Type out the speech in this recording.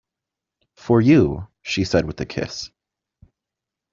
"For you," she said with a kiss.